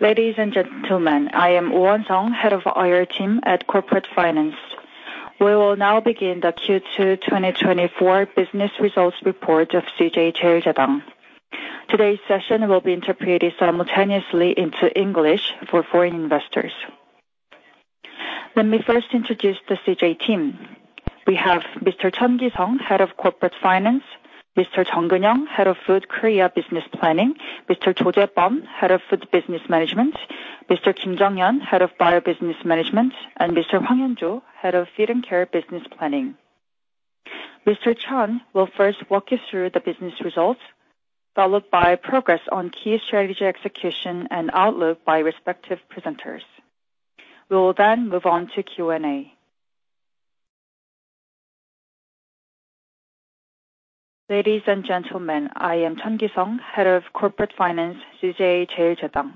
Ladies and gentlemen, I am Won sung-je, Head of IR Team at Corporate Finance. We will now begin the Q2 2024 business results report of CJ CheilJedang. Today's session will be interpreted simultaneously into English for foreign investors. Let me first introduce the CJ team. We have Mr. Chun Ki-sung, Head of Corporate Finance, Mr. Jung Geun-young, Head of Food Korea Business Planning, Mr. Cho Jae-beom, Head of Food Business Management, Mr. Kim Jong-yeon, Head of Bio Business Management, and Mr. Hwang Hyun-jo, Head of Feed and Care Business Planning. Mr. Chun will first walk you through the business results, followed by progress on key strategy execution and outlook by respective presenters. We will then move on to Q&A. Ladies and gentlemen, I am Chun Ki-sung, Head of Corporate Finance, CJ CheilJedang.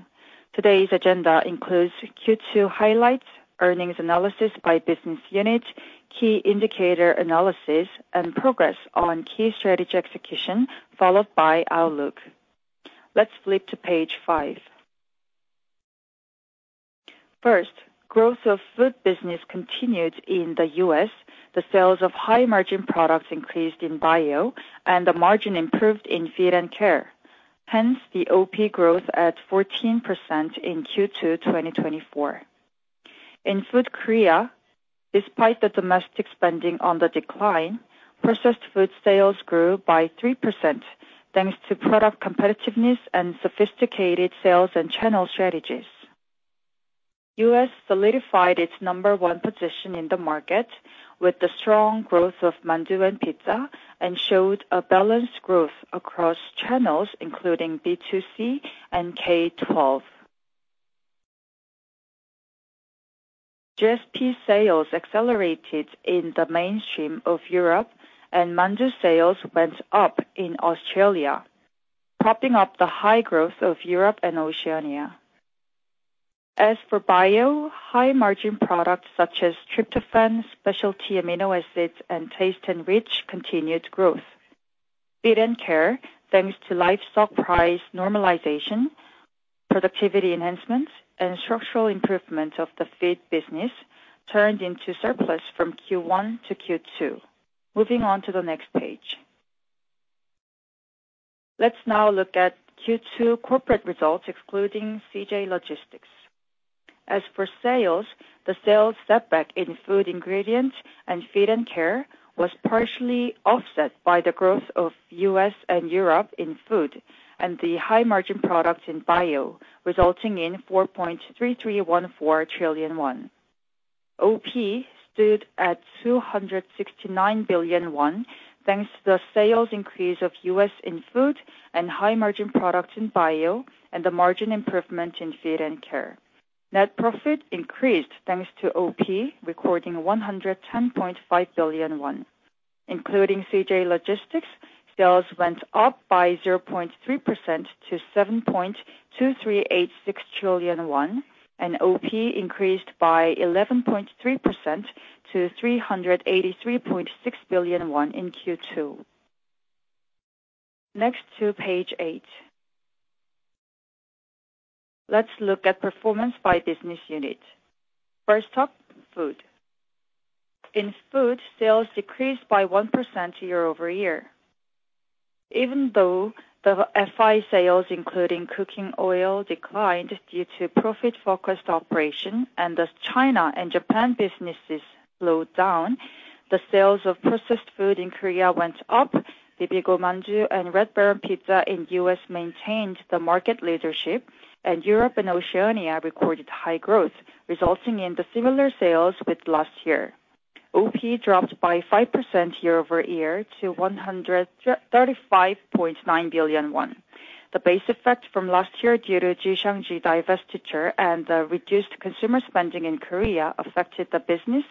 Today's agenda includes Q2 highlights, earnings analysis by business unit, key indicator analysis, and progress on key strategy execution, followed by outlook. Let's flip to page 5. First, growth of Food business continued in the U.S. The sales of high-margin products increased in Bio, and the margin improved in Feed and Care, hence the OP growth at 14% in Q2 2024. In Food Korea, despite the domestic spending on the decline, processed Food sales grew by 3%, thanks to product competitiveness and sophisticated sales and channel strategies. U.S. solidified its number one position in the market with the strong growth of mandu and pizza, and showed a balanced growth across channels, including B2C and K-12. GSP sales accelerated in the mainstream of Europe, and mandu sales went up in Australia, propping up the high growth of Europe and Oceania. As for bio, high-margin products such as tryptophan, specialty amino acids, and TasteNrich continued growth. Feed and Care, thanks to livestock price normalization, productivity enhancements, and structural improvement of the feed business, turned into surplus from Q1 to Q2. Moving on to the next page. Let's now look at Q2 corporate results, excluding CJ Logistics. As for sales, the sales setback in Food Ingredients and Feed and Care was partially offset by the growth of U.S. and Europe in food, and the high-margin products in bio, resulting in 4.3314 trillion won. OP stood at 269 billion won, thanks to the sales increase of U.S. in food and high-margin products in bio, and the margin improvement in Feed and Care. Net profit increased, thanks to OP, recording 110.5 billion won. Including CJ Logistics, sales went up by 0.3% to 7.2386 trillion won, and OP increased by 11.3% to 383.6 billion won in Q2. Next to page eight. Let's look at performance by business unit. First up, food. In food, sales decreased by 1% year-over-year. Even though the FI sales, including cooking oil, declined due to profit-focused operation, and as China and Japan businesses slowed down, the sales of processed food in Korea went up. Bibigo Mandu and Red Baron pizza in U.S. maintained the market leadership, and Europe and Oceania recorded high growth, resulting in the similar sales with last year. OP dropped by 5% year-over-year to 135.9 billion won. The base effect from last year due to Jixiangju divestiture and the reduced consumer spending in Korea affected the business,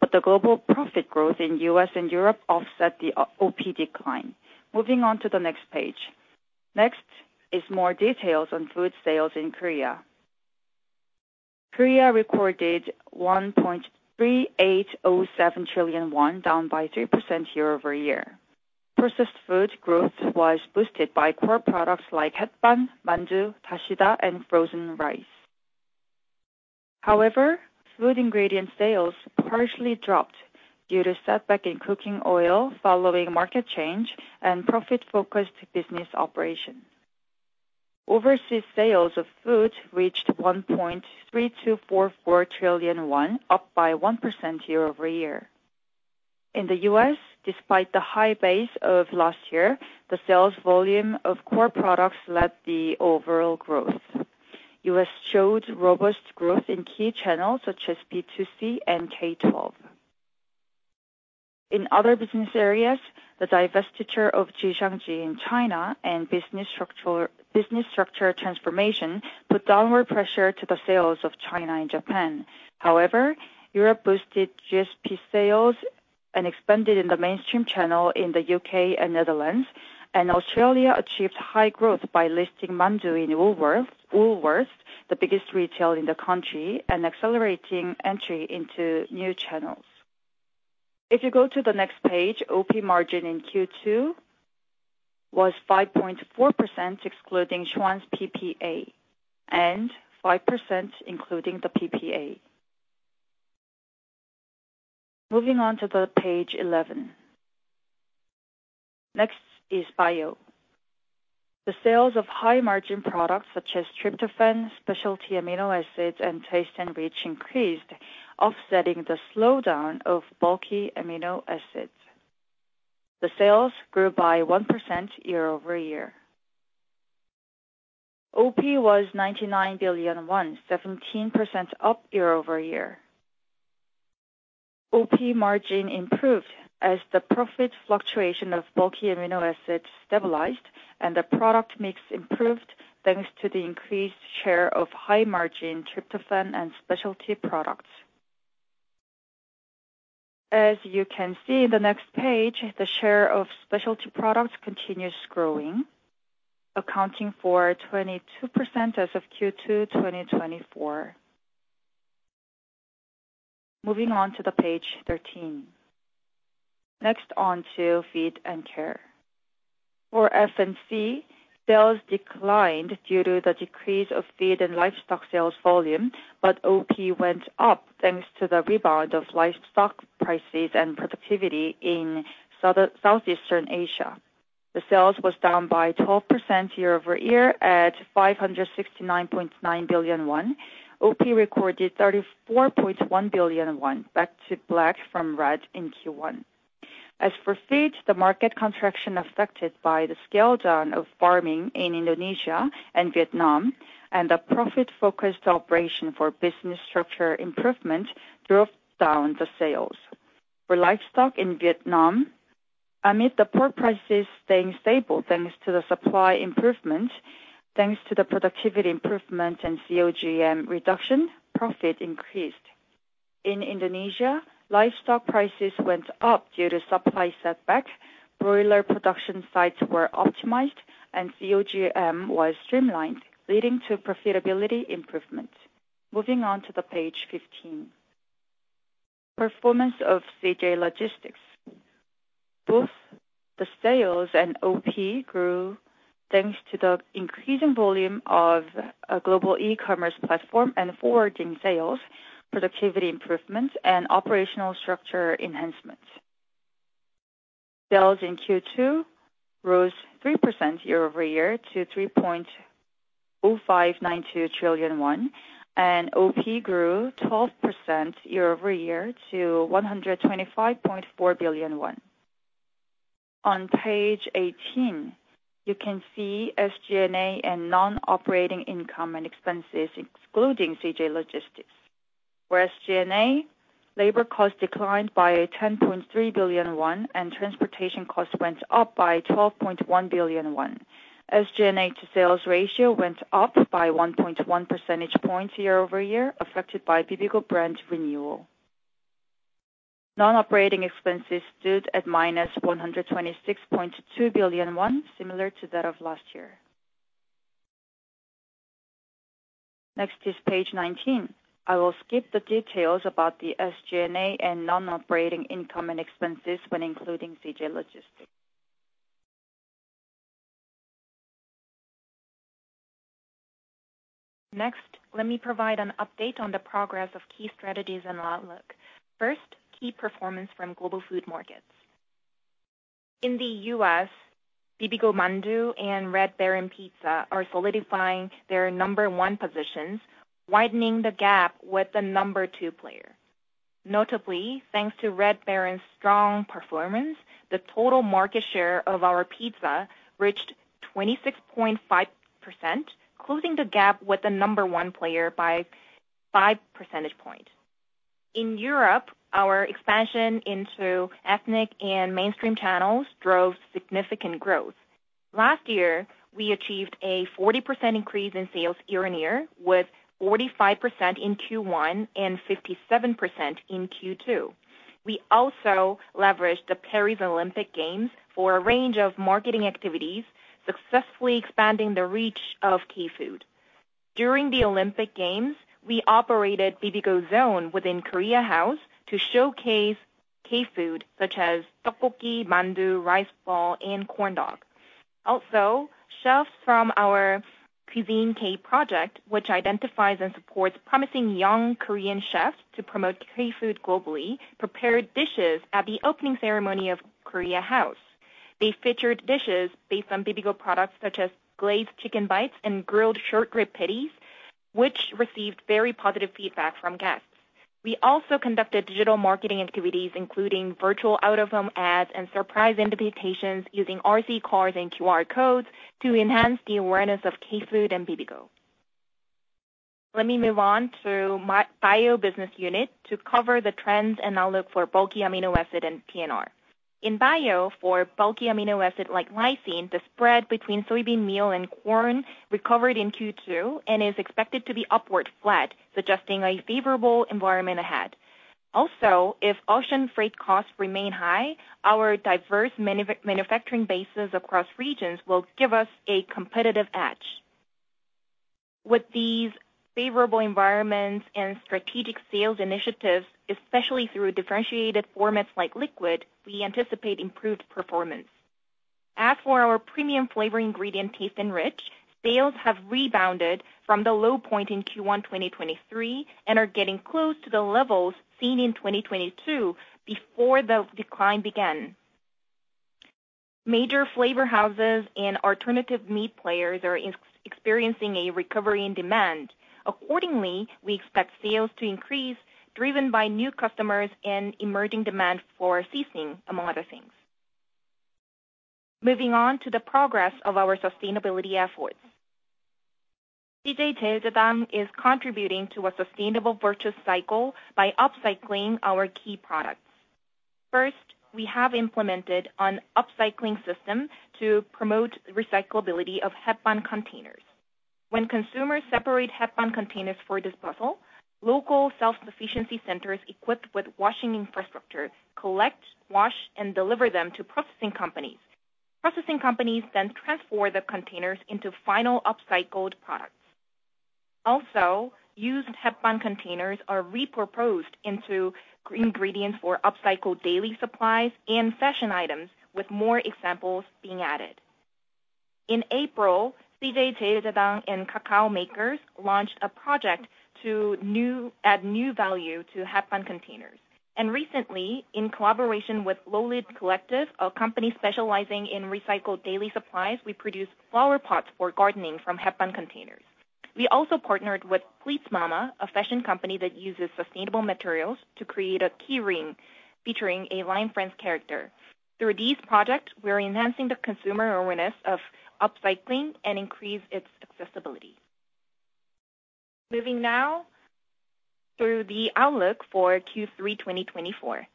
but the global profit growth in U.S. and Europe offset the OP decline. Moving on to the next page. Next is more details on food sales in Korea. Korea recorded 1.3807 trillion won, down 3% year-over-year. Processed food growth was boosted by core products like Hetbahn, mandu, Dasida, and frozen rice. However, food ingredient sales partially dropped due to setback in cooking oil following market change and profit-focused business operation. Overseas sales of food reached 1.3244 trillion won, up 1% year-over-year. In the U.S., despite the high base of last year, the sales volume of core products led the overall growth. US showed robust growth in key channels such as B2C and K-12. In other business areas, the divestiture of Jixiangju in China and business structure transformation put downward pressure to the sales of China and Japan. However, Europe boosted GSP sales and expanded in the mainstream channel in the UK and Netherlands, and Australia achieved high growth by listing mandu in Woolworths, the biggest retail in the country, and accelerating entry into new channels. If you go to the next page, OP margin in Q2 was 5.4%, excluding Schwan's PPA, and 5%, including the PPA. Moving on to page eleven. Next is bio. The sales of high-margin products, such as tryptophan, specialty amino acids, and TasteNrich increased, offsetting the slowdown of bulky amino acids. The sales grew by 1% year-over-year. OP was 99 billion won, 17% up year-over-year. OP margin improved as the profit fluctuation of bulky amino acids stabilized and the product mix improved, thanks to the increased share of high-margin tryptophan and specialty products. As you can see in the next page, the share of specialty products continues growing, accounting for 22% as of Q2-2024. Moving on to page 13. Next, on to Feed and Care. For F&C, sales declined due to the decrease of feed and livestock sales volume, but OP went up, thanks to the rebound of livestock prices and productivity in Southeastern Asia. The sales was down by 12% year-over-year at 569.9 billion won. OP recorded 34.1 billion won, back to black from red in Q1. As for feed, the market contraction affected by the scale down of farming in Indonesia and Vietnam, and the profit-focused operation for business structure improvement drove down the sales. For livestock in Vietnam, amid the pork prices staying stable, thanks to the supply improvement, thanks to the productivity improvement and COGM reduction, profit increased. In Indonesia, livestock prices went up due to supply setback, broiler production sites were optimized, and COGM was streamlined, leading to profitability improvement. Moving on to the page 15. Performance of CJ Logistics. Both the sales and OP grew, thanks to the increasing volume of a global e-commerce platform and forwarding sales, productivity improvements, and operational structure enhancements. Sales in Q2 rose 3% year-over-year to 3.0592 trillion won, and OP grew 12% year-over-year to 125.4 billion won. On page 18, you can see SG&A and non-operating income and expenses, excluding CJ Logistics, where SG&A labor costs declined by 10.3 billion won, and transportation costs went up by 12.1 billion won. SG&A to sales ratio went up by 1.1 percentage points year-over-year, affected by Bibigo brand renewal. Non-operating expenses stood at -126.2 billion won, similar to that of last year. Next is page 19. I will skip the details about the SG&A and non-operating income and expenses when including CJ Logistics. Next, let me provide an update on the progress of key strategies and outlook. First, key performance from global food markets. In the U.S., Bibigo mandu and Red Baron Pizza are solidifying their number one positions, widening the gap with the number two player. Notably, thanks to Red Baron's strong performance, the total market share of our pizza reached 26.5%, closing the gap with the number one player by five percentage points. In Europe, our expansion into ethnic and mainstream channels drove significant growth. Last year, we achieved a 40% increase in sales year-on-year, with 45% in Q1 and 57% in Q2. We also leveraged the Paris Olympic Games for a range of marketing activities, successfully expanding the reach of K-food. During the Olympic Games, we operated Bibigo Zone within Korea House to showcase K-food, such as tteokbokki, mandu, rice ball, and corn dog. Also, chefs from our Cuisine K project, which identifies and supports promising young Korean chefs to promote K-food globally, prepared dishes at the opening ceremony of Korea House. They featured dishes based on Bibigo products, such as glazed chicken bites and grilled short rib patties, which received very positive feedback from guests. We also conducted digital marketing activities, including virtual out-of-home ads and surprise interpretations, using RC cars and QR codes to enhance the awareness of K-food and Bibigo. Let me move on to my bio business unit to cover the trends and outlook for bulky amino acid and PNR. In bio, for bulky amino acid like lysine, the spread between soybean meal and corn recovered in Q2 and is expected to be upward flat, suggesting a favorable environment ahead. Also, if ocean freight costs remain high, our diverse manufacturing bases across regions will give us a competitive edge. ...With these favorable environments and strategic sales initiatives, especially through differentiated formats like liquid, we anticipate improved performance. As for our premium flavor ingredient, TasteNrich, sales have rebounded from the low point in Q1, 2023, and are getting close to the levels seen in 2022 before the decline began. Major flavor houses and alternative meat players are experiencing a recovery in demand. Accordingly, we expect sales to increase, driven by new customers and emerging demand for seasoning, among other things. Moving on to the progress of our sustainability efforts. CJ CheilJedang is contributing to a sustainable virtuous cycle by upcycling our key products. First, we have implemented an upcycling system to promote recyclability of Hetbahn containers. When consumers separate Hetbahn containers for disposal, local self-sufficiency centers equipped with washing infrastructure collect, wash, and deliver them to processing companies. Processing companies then transform the containers into final upcycled products. Also, used Hetbahn containers are reproposed into ingredients for upcycled daily supplies and fashion items, with more examples being added. In April, CJ CheilJedang and Kakao Makers launched a project to add new value to Hetbahn containers. Recently, in collaboration with Lowlit Collective, a company specializing in recycled daily supplies, we produced flower pots for gardening from Hetbahn containers. We also partnered with PLEATS MAMA, a fashion company that uses sustainable materials, to create a keyring featuring a LINE FRIENDS character. Through these projects, we are enhancing the consumer awareness of upcycling and increase its accessibility. Moving now to the outlook for Q3 2024.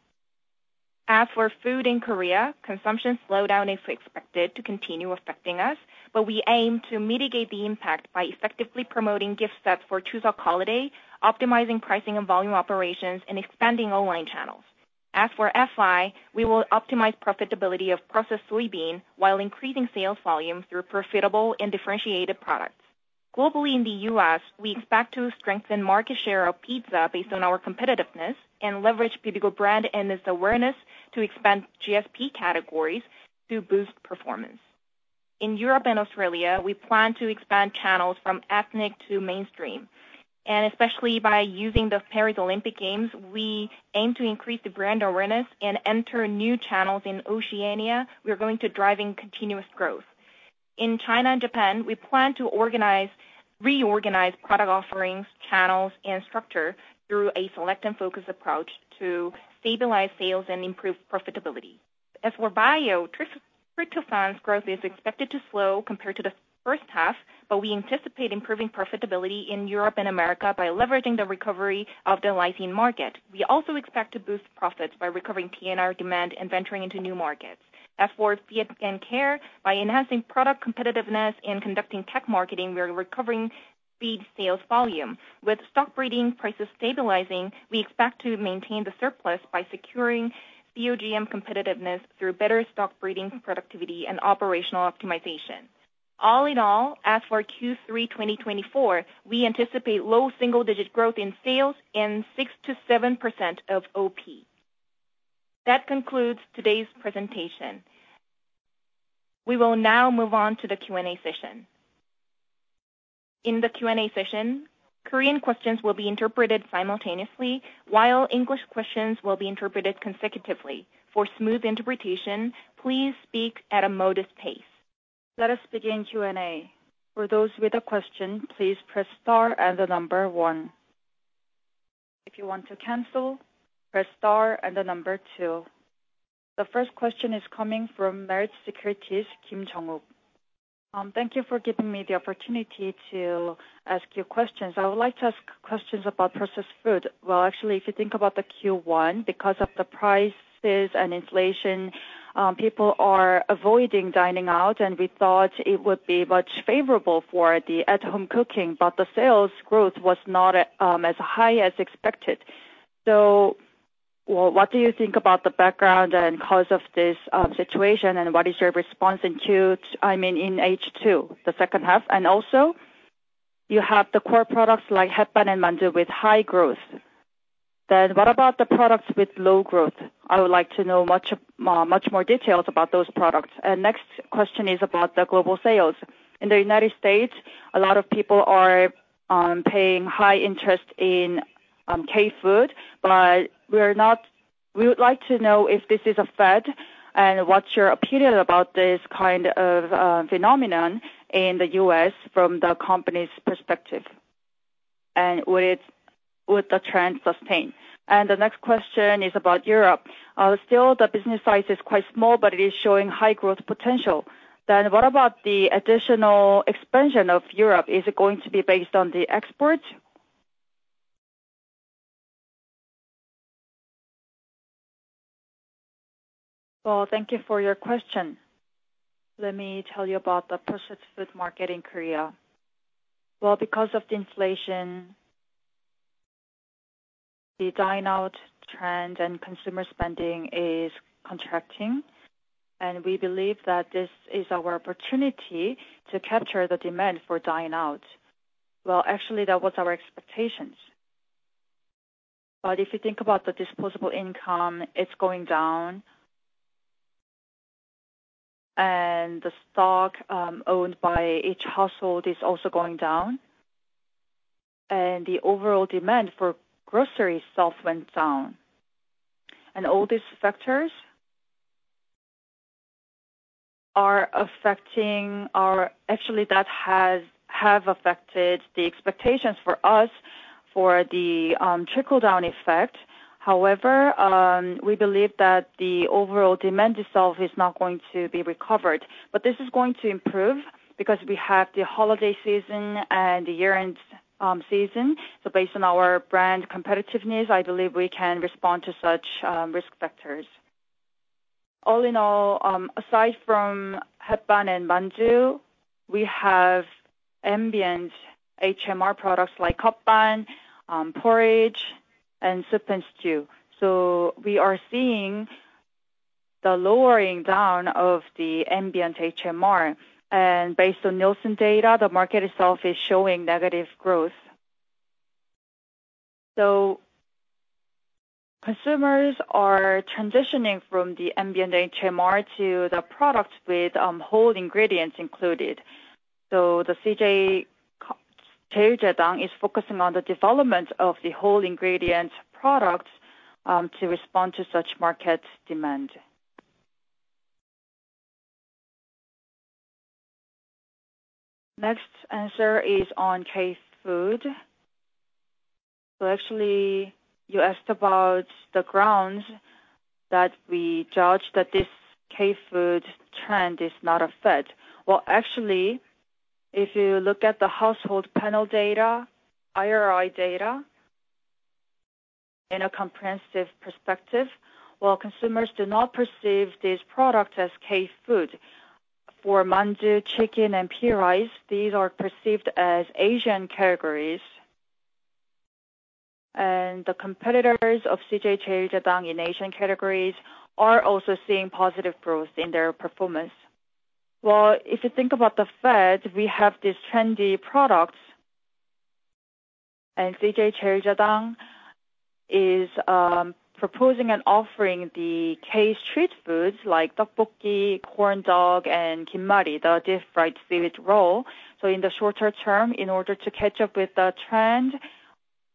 As for food in Korea, consumption slowdown is expected to continue affecting us, but we aim to mitigate the impact by effectively promoting gift sets for Chuseok holiday, optimizing pricing and volume operations, and expanding online channels. As for FI, we will optimize profitability of processed soybean while increasing sales volume through profitable and differentiated products. Globally, in the U.S., we expect to strengthen market share of pizza based on our competitiveness, and leverage Bibigo brand and its awareness to expand GSP categories to boost performance. In Europe and Australia, we plan to expand channels from ethnic to mainstream, and especially by using the Paris Olympic Games, we aim to increase the brand awareness and enter new channels in Oceania. We are going to driving continuous growth. In China and Japan, we plan to reorganize product offerings, channels, and structure through a select and focus approach to stabilize sales and improve profitability. As for bio, tryptophan's growth is expected to slow compared to the first half, but we anticipate improving profitability in Europe and America by leveraging the recovery of the lysine market. We also expect to boost profits by recovering nucleotide demand and venturing into new markets. As for Feed and care, by enhancing product competitiveness and conducting tech marketing, we are recovering feed sales volume. With stock breeding prices stabilizing, we expect to maintain the surplus by securing COGM competitiveness through better stock breeding productivity and operational optimization. All in all, as for Q3 2024, we anticipate low single-digit growth in sales and 6%-7% of OP. That concludes today's presentation. We will now move on to the Q&A session. In the Q&A session, Korean questions will be interpreted simultaneously, while English questions will be interpreted consecutively. For smooth interpretation, please speak at a modest pace. Let us begin Q&A. For those with a question, please press star and 1. If you want to cancel, press star and 2. The first question is coming from Merrill Securities, Kim Jong-o. Thank you for giving me the opportunity to ask you questions. I would like to ask questions about processed food. Well, actually, if you think about the Q1, because of the prices and inflation, people are avoiding dining out, and we thought it would be much favorable for the at-home cooking, but the sales growth was not, as high as expected. So, well, what do you think about the background and cause of this, situation, and what is your response in Q... I mean, in H2, the second half? And also, you have the core products like Hetbahn and Mandu with high growth. Then what about the products with low growth? I would like to know much more details about those products. Next question is about the global sales. In the United States, a lot of people are paying high interest in K-food, but we would like to know if this is a fad, and what's your opinion about this kind of phenomenon in the U.S. from the company's perspective? Will the trend sustain? The next question is about Europe. Still the business size is quite small, but it is showing high growth potential. Then what about the additional expansion of Europe? Is it going to be based on the export? Well, thank you for your question. Let me tell you about the processed food market in Korea. Well, because of the inflation- ... the dine out trend and consumer spending is contracting, and we believe that this is our opportunity to capture the demand for dine out. Well, actually, that was our expectations. But if you think about the disposable income, it's going down, and the stock owned by each household is also going down, and the overall demand for grocery itself went down. And all these factors are affecting or actually have affected the expectations for us for the trickle-down effect. However, we believe that the overall demand itself is not going to be recovered, but this is going to improve because we have the holiday season and the year-end season. So based on our brand competitiveness, I believe we can respond to such risk factors. All in all, aside from Hetbahn and mandu, we have ambient HMR products like Hetbahn, porridge, and soup and stew. So we are seeing the lowering down of the ambient HMR. And based on Nielsen data, the market itself is showing negative growth. So consumers are transitioning from the ambient HMR to the product with whole ingredients included. So the CJ CheilJedang is focusing on the development of the whole ingredient products to respond to such market demand. Next answer is on K-food. So actually, you asked about the grounds that we judge that this K-food trend is not a fad. Well, actually, if you look at the household panel data, IRI data, in a comprehensive perspective, while consumers do not perceive this product as K-food, for mandu, chicken, and pea rice, these are perceived as Asian categories. The competitors of CJ CheilJedang in Asian categories are also seeing positive growth in their performance. Well, if you think about the fad, we have these trendy products, and CJ CheilJedang is proposing and offering the K street foods like tteokbokki, corn dog, and gimbap, the deep-fried seaweed roll. So in the shorter term, in order to catch up with the trend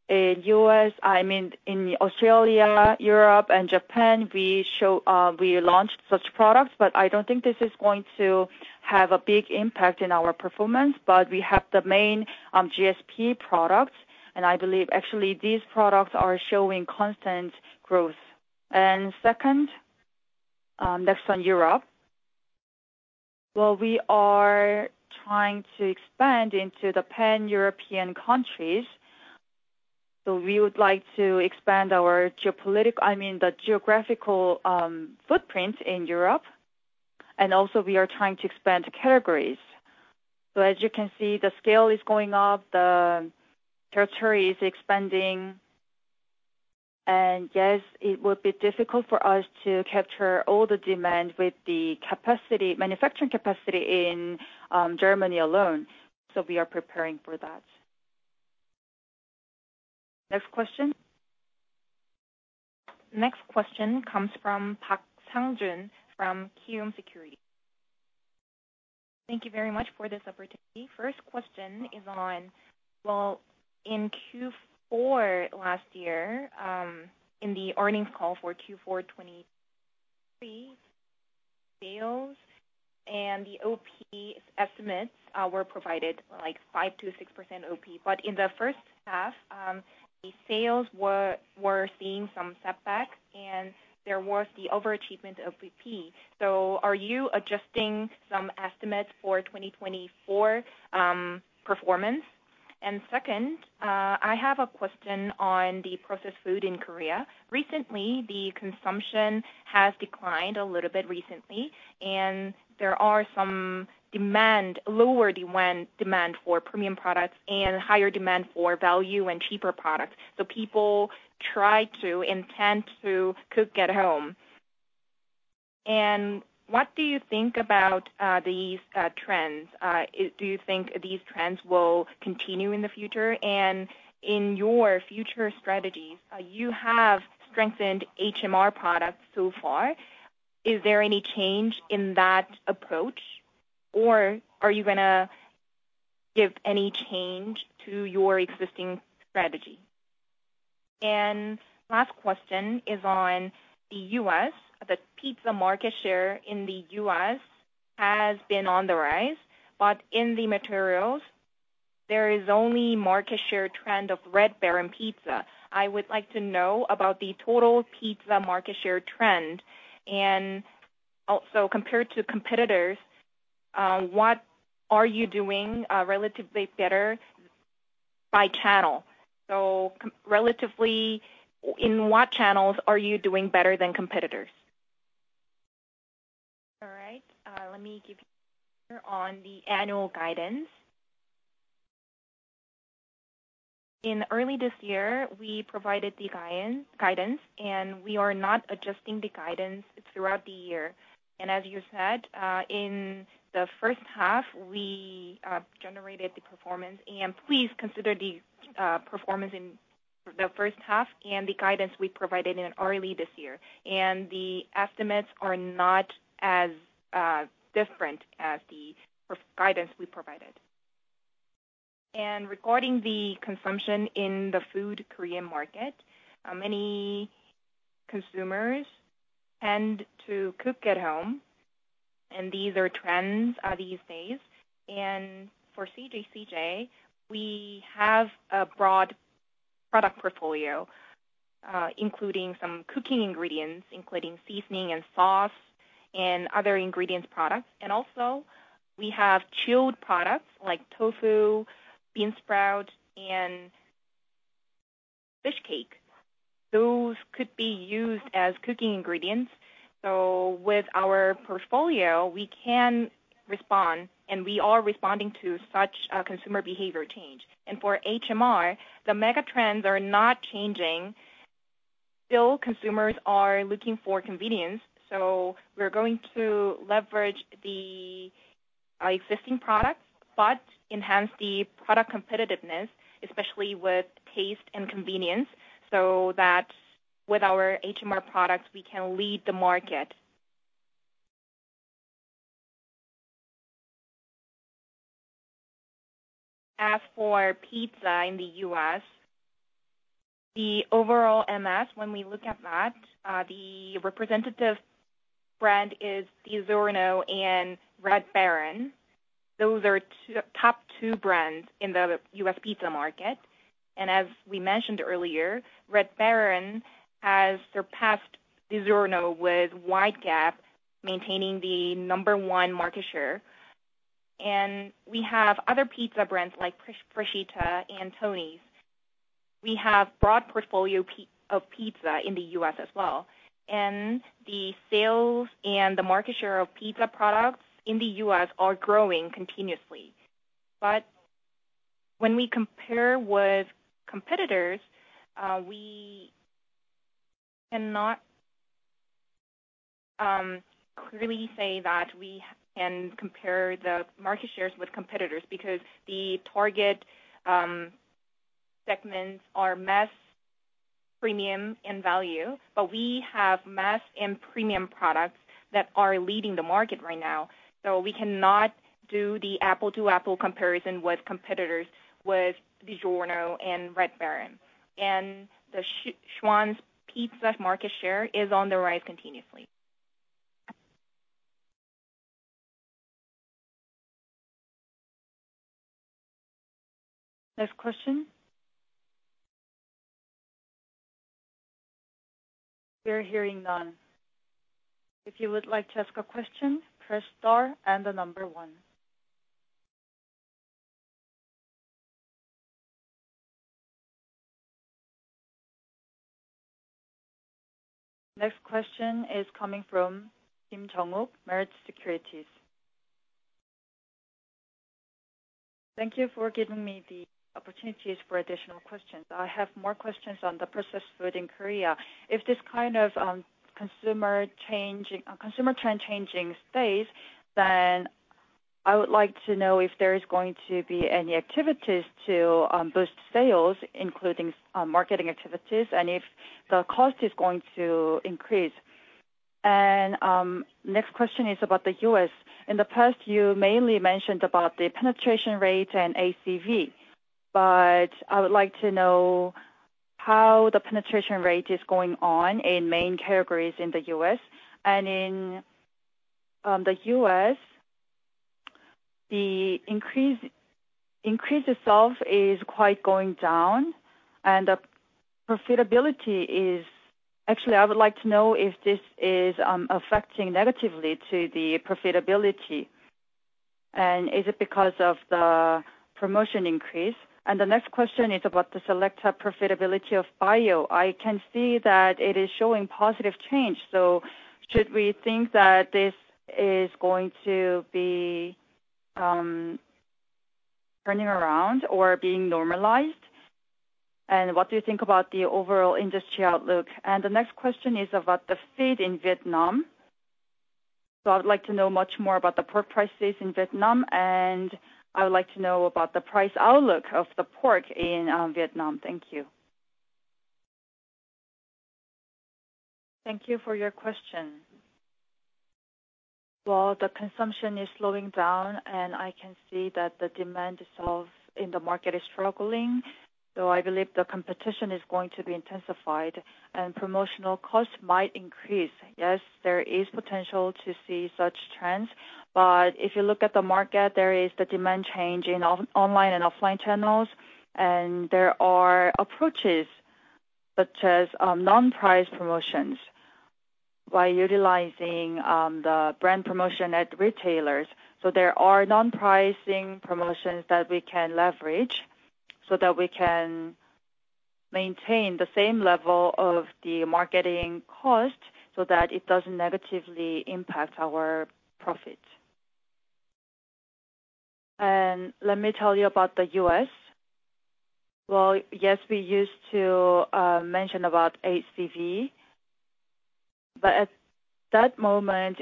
in U.S., I mean, in Australia, Europe, and Japan, we show, we launched such products, but I don't think this is going to have a big impact in our performance, but we have the main GSP products, and I believe actually these products are showing constant growth. And second, next on Europe. Well, we are trying to expand into the pan-European countries, so we would like to expand our geopolitical, I mean, the geographical footprint in Europe, and also we are trying to expand the categories. So as you can see, the scale is going up, the territory is expanding, and yes, it will be difficult for us to capture all the demand with the capacity, manufacturing capacity in Germany alone, so we are preparing for that. Next question? Next question comes from Park Sang-jun, from Kiwoom Securities. Thank you very much for this opportunity. First question is on, well, in Q4 last year, in the earnings call for Q4 2023, sales and the OP estimates were provided like 5%-6% OP. But in the first half, the sales were seeing some setbacks, and there was the overachievement of BP. So are you adjusting some estimates for 2024 performance? And second, I have a question on the processed food in Korea. Recently, the consumption has declined a little bit, and there is lower demand for premium products and higher demand for value and cheaper products. So people intend to cook at home. And what do you think about these trends? Do you think these trends will continue in the future? And in your future strategies, you have strengthened HMR products so far. Is there any change in that approach, or are you gonna give any change to your existing strategy? And last question is on the U.S. The pizza market share in the U.S. has been on the rise, but in the materials, there is only market share trend of Red Baron pizza. I would like to know about the total pizza market share trend. And also, compared to competitors, what are you doing relatively better by channel? So relatively, in what channels are you doing better than competitors? Let me give you on the annual guidance. In early this year, we provided the guidance, and we are not adjusting the guidance throughout the year. As you said, in the first half, we generated the performance, and please consider the performance in the first half and the guidance we provided in early this year. The estimates are not as different as the per-guidance we provided. Regarding the consumption in the food Korean market, many consumers tend to cook at home, and these are trends these days. For CJ CJ, we have a broad product portfolio, including some cooking ingredients, including seasoning and sauce, and other ingredients products. Also we have chilled products like tofu, bean sprout, and fish cake. Those could be used as cooking ingredients. With our portfolio, we can respond, and we are responding to such a consumer behavior change. For HMR, the mega trends are not changing. Still, consumers are looking for convenience, so we're going to leverage the existing products, but enhance the product competitiveness, especially with taste and convenience, so that with our HMR products, we can lead the market. As for pizza in the U.S., the overall MS, when we look at that, the representative brand is DiGiorno and Red Baron. Those are the top two brands in the U.S. pizza market. And as we mentioned earlier, Red Baron has surpassed DiGiorno with wide gap, maintaining the number one market share. And we have other pizza brands like Freschetta and Tony's. We have broad portfolio of pizza in the U.S. as well, and the sales and the market share of pizza products in the U.S. are growing continuously. But when we compare with competitors, we cannot clearly say that we can compare the market shares with competitors because the target segments are mass, premium, and value, but we have mass and premium products that are leading the market right now. So we cannot do the apple-to-apple comparison with competitors, with DiGiorno and Red Baron. And the Schwan's pizza market share is on the rise continuously. Next question? We're hearing none. If you would like to ask a question, press star and the number one. Next question is coming from Kim Jong-wook, Meritz Securities. Thank you for giving me the opportunities for additional questions. I have more questions on the processed food in Korea. If this kind of, consumer changing, consumer trend changing stays, then I would like to know if there is going to be any activities to boost sales, including marketing activities, and if the cost is going to increase. And next question is about the US. In the past, you mainly mentioned about the penetration rate and ACV, but I would like to know how the penetration rate is going on in main categories in the US. And in the US, the increase, increase itself is quite going down, and the profitability is... Actually, I would like to know if this is affecting negatively to the profitability, and is it because of the promotion increase? And the next question is about the Selecta profitability of bio. I can see that it is showing positive change, so should we think that this is going to be turning around or being normalized? And what do you think about the overall industry outlook? And the next question is about the feed in Vietnam. So I would like to know much more about the pork prices in Vietnam, and I would like to know about the price outlook of the pork in Vietnam. Thank you. Thank you for your question. Well, the consumption is slowing down, and I can see that the demand itself in the market is struggling, so I believe the competition is going to be intensified, and promotional costs might increase. Yes, there is potential to see such trends, but if you look at the market, there is the demand change in online and offline channels, and there are approaches, such as, non-price promotions, by utilizing, the brand promotion at retailers. So there are non-pricing promotions that we can leverage, so that we can-... maintain the same level of the marketing cost so that it doesn't negatively impact our profit. Let me tell you about the U.S. Well, yes, we used to mention about ACV, but at that moment,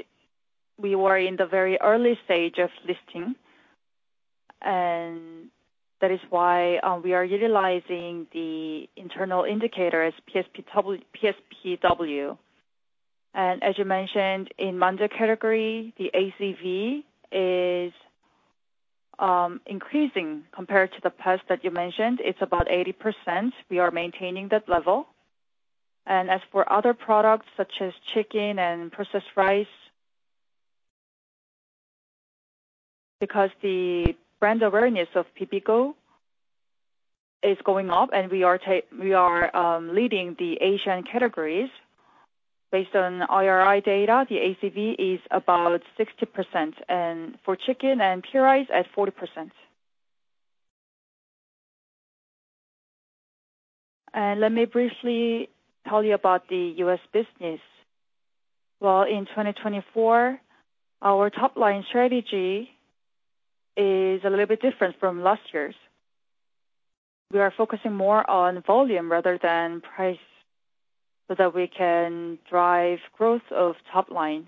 we were in the very early stage of listing, and that is why we are utilizing the internal indicator as PSPW, PSPW. And as you mentioned, in Mandu category, the ACV is increasing compared to the past that you mentioned. It's about 80%. We are maintaining that level. And as for other products such as chicken and processed rice, because the brand awareness of Bibigo is going up, and we are leading the Asian categories. Based on IRI data, the ACV is about 60%, and for chicken and processed rice, at 40%. Let me briefly tell you about the U.S. business. Well, in 2024, our top line strategy is a little bit different from last year's. We are focusing more on volume rather than price, so that we can drive growth of top line.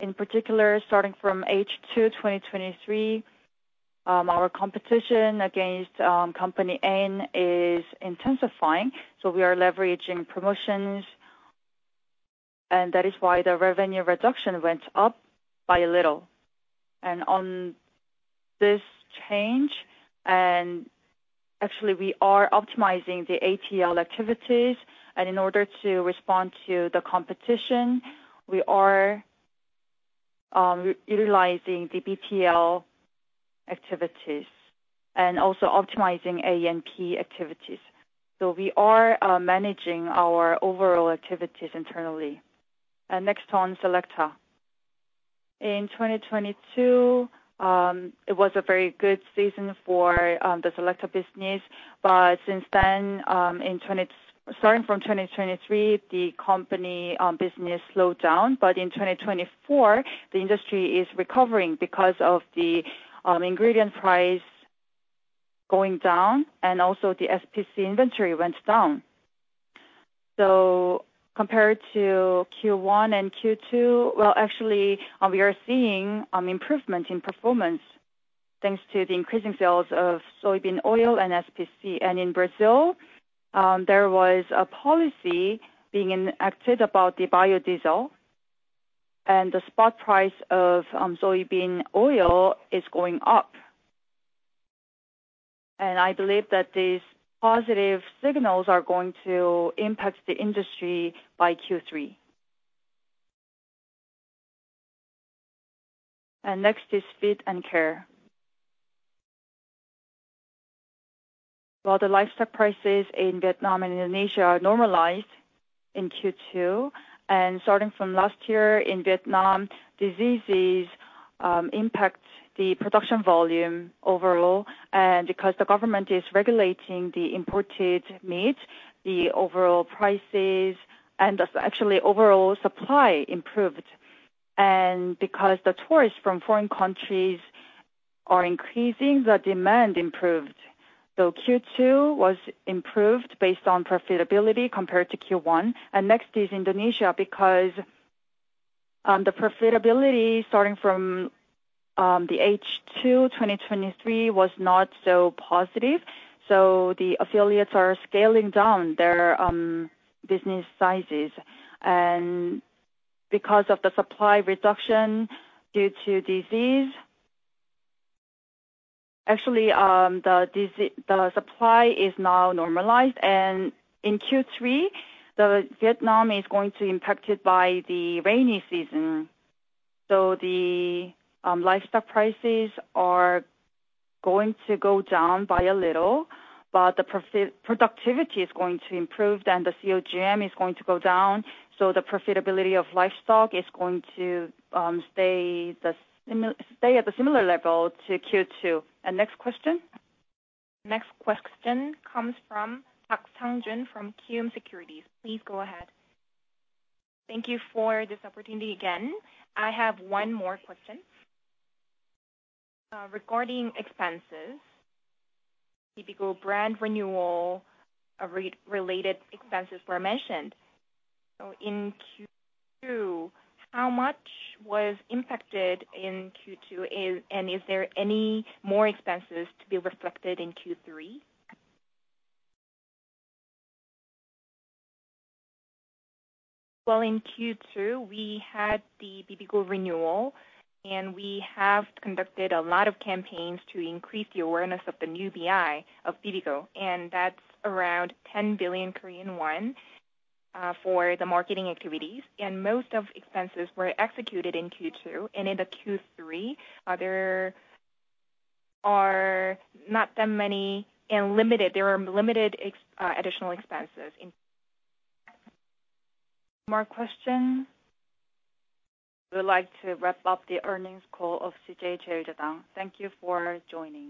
In particular, starting from H2 2023, our competition against Company N is intensifying, so we are leveraging promotions, and that is why the revenue reduction went up by a little. And on this change, and actually we are optimizing the ATL activities, and in order to respond to the competition, we are re-utilizing the BTL activities and also optimizing A&P activities. So we are managing our overall activities internally. And next, on Selecta. In 2022, it was a very good season for the Selecta business, but since then, in twenty... Starting from 2023, the company business slowed down, but in 2024, the industry is recovering because of the ingredient price going down and also the SPC inventory went down. So compared to Q1 and Q2, well, actually, we are seeing improvement in performance, thanks to the increasing sales of soybean oil and SPC. And in Brazil, there was a policy being enacted about the biodiesel, and the spot price of soybean oil is going up. And I believe that these positive signals are going to impact the industry by Q3. And next is Feed and Care. While the livestock prices in Vietnam and Indonesia are normalized in Q2, and starting from last year in Vietnam, diseases impact the production volume overall. And because the government is regulating the imported meat, the overall prices, and as actually overall supply improved, and because the tourists from foreign countries are increasing, the demand improved. So Q2 was improved based on profitability compared to Q1. And next is Indonesia, because the profitability starting from the H2 2023 was not so positive, so the affiliates are scaling down their business sizes. And because of the supply reduction due to disease, actually the supply is now normalized, and in Q3, the Vietnam is going to be impacted by the rainy season. So the livestock prices are going to go down by a little, but the productivity is going to improve, then the COGM is going to go down, so the profitability of livestock is going to stay at a similar level to Q2. Next question? Next question comes from Park Sang-jun from Kiwoom Securities. Please go ahead. Thank you for this opportunity again. I have one more question. Regarding expenses, Bibigo brand renewal, related expenses were mentioned. So in Q2, how much was impacted in Q2, and is there any more expenses to be reflected in Q3? Well, in Q2, we had the Bibigo renewal, and we have conducted a lot of campaigns to increase the awareness of the new BI of Bibigo, and that's around 10 billion Korean won for the marketing activities, and most of expenses were executed in Q2. And in the Q3, there are not that many and limited additional expenses in... More question? We would like to wrap up the earnings call of CJ CheilJedang. Thank you for joining.